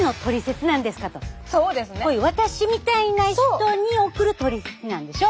こういう私みたいな人に送るトリセツなんでしょ？